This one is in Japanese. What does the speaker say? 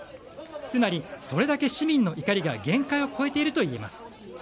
つまり、それだけ市民の怒りが限界を超えているといえます。